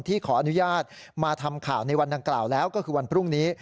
ขออนุญาตมาทำข่าวในวันดังกล่าวแล้วก็คือวันพรุ่งนี้